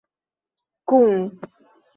kun